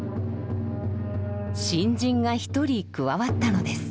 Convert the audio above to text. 新人が１人加わったのです。